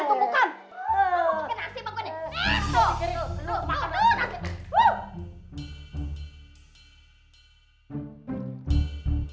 orang tuh bukan